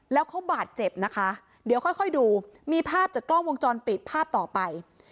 แล้วเขาบาดเจ็บนะคะเดี๋ยวค่อยดูมีภาพจากกล้องวงจรปิดภาพต่อไป